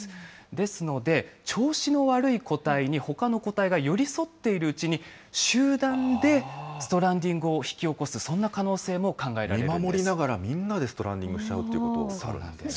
ですので、調子の悪い個体にほかの個体が寄り添っているうちに、集団でストランディングを引き起こす、そんな可能性も考えられる見守りながら、みんなでストランディングしちゃうということなんですね。